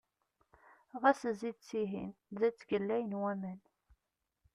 Ɣas zzi-d sihin! Da ttgellayen waman.